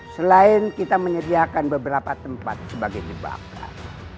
selain kita menyediakan beberapa tempat sebagai jebakan